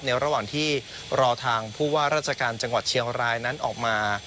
ระหว่างที่รอทางผู้ว่าราชการจังหวัดเชียงรายนั้นออกมา